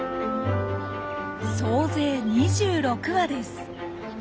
総勢２６羽です。